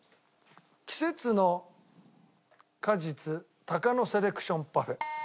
季節の果実タカノセレクションパフェ。